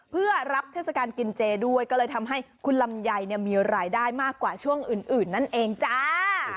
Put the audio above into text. เพื่อรับเทศกาลกินเจด้วยก็เลยทำให้คุณลำไยมีรายได้มากกว่าช่วงอื่นนั่นเองจ้า